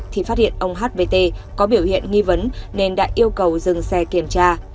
thì phát hiện ông hvt có biểu hiện nghi vấn nên đã yêu cầu dừng xe kiểm tra